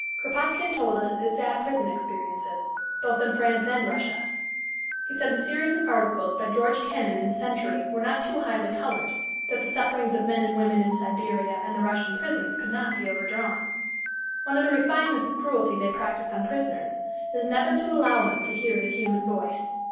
Krapotkine told us of his sad prison experiences, both in France and Russia. He said the series of articles by George Kennan in the Century were not too highly colored, that the sufferings of men and women in Siberia and the Russian prisons could not be overdrawn. One of the refinements of cruelty they practice on prisoners is never to allow them to hear the human voice.